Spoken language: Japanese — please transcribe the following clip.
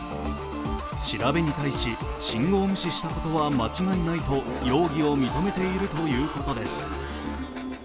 調べに対し、信号無視したことは間違いないと、容疑を認めているということです。